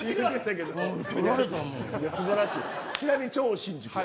ちなみに超新塾は。